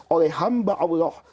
oleh hamba allah